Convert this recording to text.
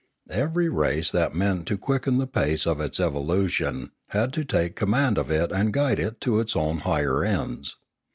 Every race that meant to quicken the pace of its evolution had to take command of it and guide it to its own higher ends.